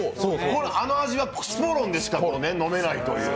あの味はスポロンでしか飲めないという。